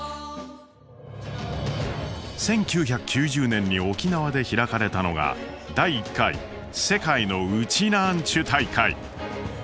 １９９０年に沖縄で開かれたのが第１回「世界のウチナーンチュ大会」。